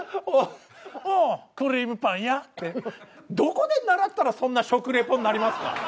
「おおクリームパンや」ってどこで習ったらそんな食レポになりますか！？